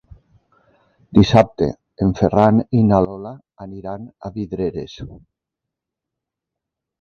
Dissabte en Ferran i na Lola aniran a Vidreres.